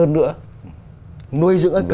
nói dưỡng hơn nữa